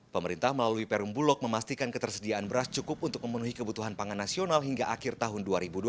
pemerintah melalui perum bulog memastikan ketersediaan beras cukup untuk memenuhi kebutuhan pangan nasional hingga akhir tahun dua ribu dua puluh